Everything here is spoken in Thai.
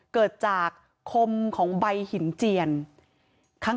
เกิดจากคมของใบหินเจียนข้าง